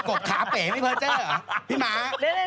กดขาเป๋ไม่เพอร์เจอร์เหรอพี่ม้า